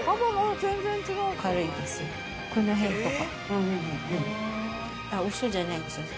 この辺とか。